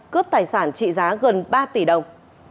cướp tài sản trị giá gần ba tỷ đồng